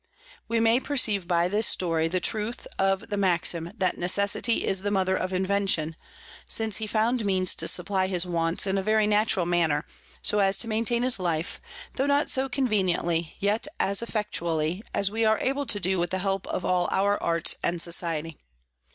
We may perceive by this Story the Truth of the Maxim, That Necessity is the Mother of Invention, since he found means to supply his Wants in a very natural manner, so as to maintain his Life, tho not so conveniently, yet as effectually as we are able to do with the help of all our Arts and Society.